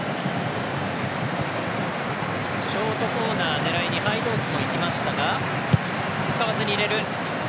ショートコーナー狙いにハイドースもいきましたが使わずに入れる。